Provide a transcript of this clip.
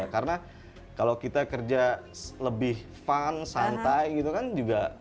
karena kalau kita kerja lebih fun santai juga lebih enak